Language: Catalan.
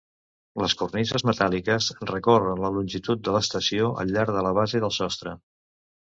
Les cornises metàl·liques recorren la longitud de l'estació al llarg de la base del sostre.